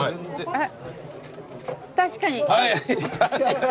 あっ確かに。